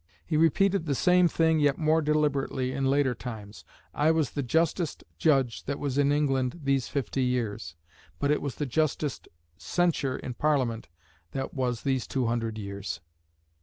He repeated the same thing yet more deliberately in later times. "_I was the justest judge that was in England these fifty years. But it was the justest censure in Parliament that was these two hundred years.